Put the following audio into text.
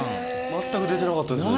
全く出てなかったですよね。